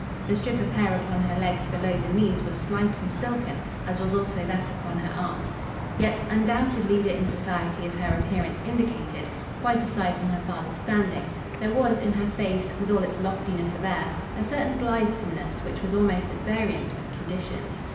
The strip of hair upon her legs below the knees was slight and silken, as was also that upon her arms. Yet, undoubted leader in society as her appearance indicated, quite aside from her father's standing, there was in her face, with all its loftiness of air, a certain blithesomeness which was almost at variance with conditions.